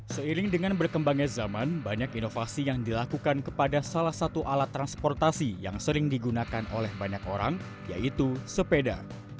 seiring dengan berkembangnya zaman banyak inovasi yang dilakukan kepada salah satu alat transportasi yang sering digunakan oleh banyak orang yaitu sepeda